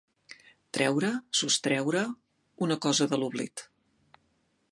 Treure, sostreure, una cosa de l'oblit.